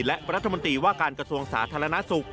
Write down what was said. และรัฐมนตรีว่าการกระทรวงสาธารณสุข